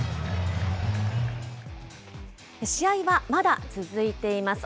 試合はまだ続いています。